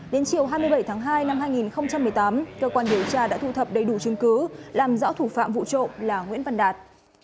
đến chiều hai mươi bảy tháng hai năm hai nghìn một mươi tám cơ quan điều tra đã thu thập đầy đủ chứng cứ làm rõ thủ phạm vụ trộm là nguyễn văn đạt